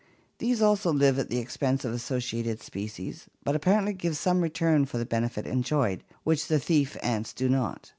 These also live at the expense of associated species, but apparently give some return for the benefits enjoyed, which the thief ants do not.